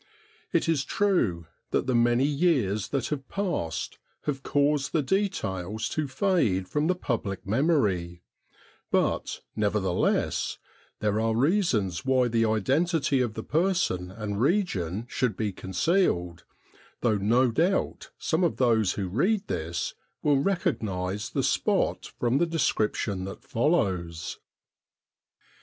It is true that the many years that have passed have caused the details to fade from the public memory ; but, nevertheless, there are reasons why the identity of the person and region should be concealed, though no doubt some of those who read this will recognise the spot from the description that follows.